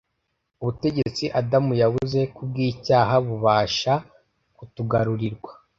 Ubutegetsi Adamu yabuze kubw'icyaha bubasha kutugarurirwa.